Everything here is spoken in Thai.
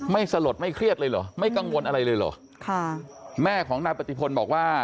สลดไม่เครียดเลยเหรอไม่กังวลอะไรเลยเหรอค่ะแม่ของนายปฏิพลบอกว่า